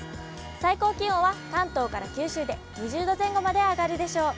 最高気温は、関東から九州で２０度前後まで上がるでしょう。